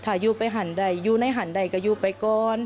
ท่ายูไปหันไดยูไหนจะยูไปก่อน